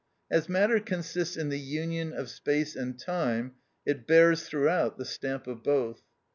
(8) As matter consists in the union of space and time, it bears throughout the stamp of both.